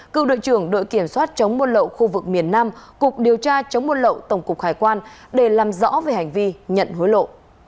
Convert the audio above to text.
cựu đội trưởng đội kiểm soát chống buôn lậu khu vực miền nam cục điều tra chống buôn lậu tổng cục hải quan để làm rõ về hành vi nhận hối lộ